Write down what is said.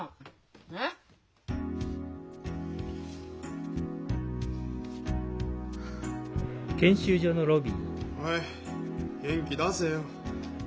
うん？おい元気出せよ。